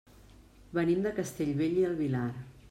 Venim de Castellbell i el Vilar.